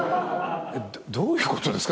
どういうことですか？